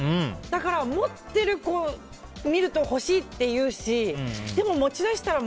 だから持ってる子を見ると欲しいって言うしでも、持ち出したら。